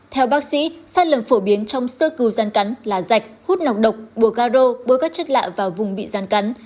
theo bác sĩ sai lầm phổ biến trong sơ cứu rắn cắn là rạch hút nọc độc bùa ga rô bôi các chất lạ vào vùng bị rắn cắn